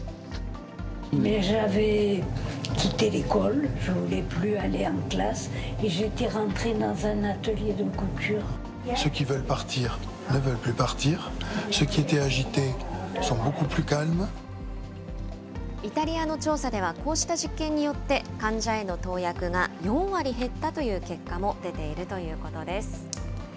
イタリアの調査では、こうした実験によって、患者への投薬が４割減ったという結果も出ているということです。